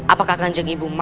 apakah kan jengibu mau